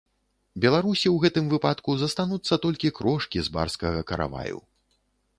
Беларусі ў гэтым выпадку застануцца толькі крошкі з барскага караваю.